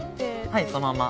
はいそのまま。